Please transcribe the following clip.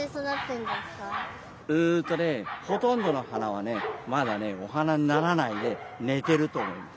んっとねほとんどのはなはねまだねおはなにならないでねてるとおもいます。